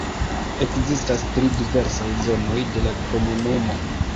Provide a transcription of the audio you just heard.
Ekzistas tri diversaj zonoj de la komunumo.